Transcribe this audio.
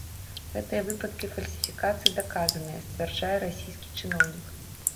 Гэтыя выпадкі фальсіфікацыі даказаныя, сцвярджае расійскі чыноўнік.